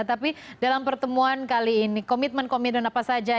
tapi dalam pertemuan kali ini komitmen komitmen apa saja